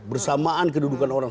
bersamaan kedudukan orang